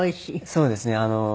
そうですね。